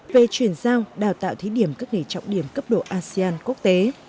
về chuyển giao đào tạo thí điểm các nghề trọng điểm cấp độ asean quốc tế